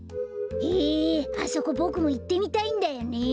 へえあそこボクもいってみたいんだよねえ。